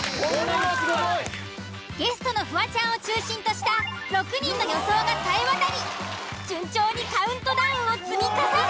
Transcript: ゲストのフワちゃんを中心とした６人の予想がさえ渡り順調にカウントダウンを積み重ね。